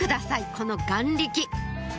この眼力！